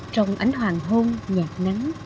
trong ánh hoàng hôn nhạt nắng